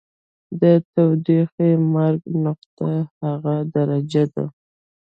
د تودوخې مرګ نقطه هغه درجه ده.